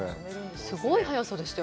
すごい早さでしたよ。